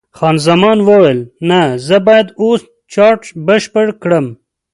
خان زمان وویل: نه، زه باید اوس چارټ بشپړ کړم.